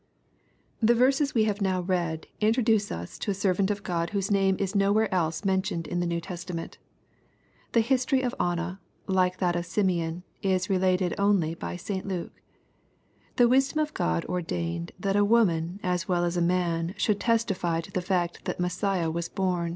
The verses we have now read introduce us to a servant of God whose name is nowhere else mentioned in the New Testament. The history of Anna, like that of Simeon, is related only by St. Luke. The wisdom of God ordained that a woman as well as a man should testify to the fact that Messiah was bom.